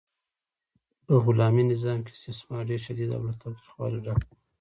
په غلامي نظام کې استثمار ډیر شدید او له تاوتریخوالي ډک و.